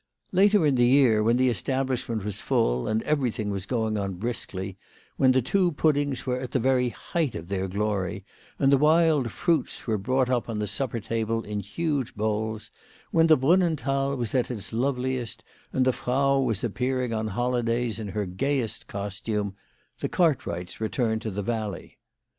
Later in the year, when the establishment was full and everything was going on briskly, when the two puddings were at the very height of their glory, and the wild fruits were brought up on the supper table in huge bowls, when the Brunnenthal was at its loveliest, and the Frau was appearing on holidays in her gayest costume, the Cartwrights returned to the valley.